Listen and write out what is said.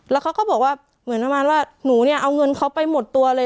แล้วเขาก็บอกว่าเหมือนประมาณว่าหนูเนี่ยเอาเงินเขาไปหมดตัวเลย